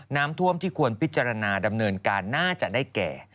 น้ำท่วมที่ควรพิจารณาดำเนินการน่าจะได้แก่